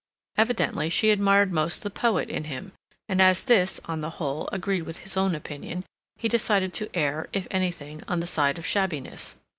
Evidently she admired most the poet in him; and as this, on the whole, agreed with his own opinion, he decided to err, if anything, on the side of shabbiness.